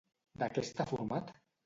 De què està format?